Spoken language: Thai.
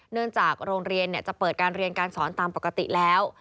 เนื่องจากโรงเรียนจะเปิดการเรียนการสอนตามปกติแล้ว